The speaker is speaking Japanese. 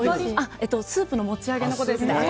スープの持ち上げのことです。